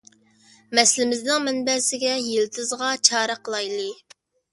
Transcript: مەسىلىمىزنىڭ مەنبەسىگە، يىلتىزىغا چارە قىلايلى.